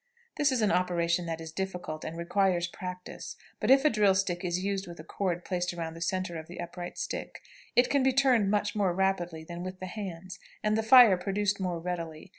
This is an operation that is difficult, and requires practice; but if a drill stick is used with a cord placed around the centre of the upright stick, it can be turned much more rapidly than with the hands, and the fire produced more readily.